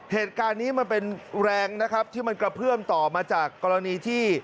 เหตุการณ์นี้มันเป็นแรงนะครับที่มันกระเพื่อมต่อมาจากกรณีที่